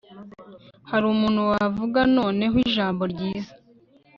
hari umuntu wavuga noneho ijambo ryiza